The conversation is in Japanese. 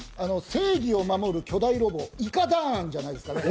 正義を守る巨大ロボ、イカダーンじゃないですかね。